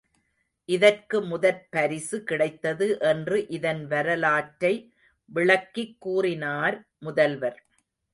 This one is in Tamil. இதற்கு முதற் பரிசு கிடைத்தது என்று இதன் வரலாற்றை விளக்கிக் கூறினார் முதல்வர்.